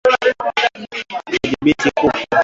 Kudhibiti kupe